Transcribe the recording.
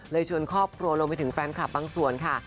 ชวนครอบครัวรวมไปถึงแฟนคลับบางส่วนค่ะ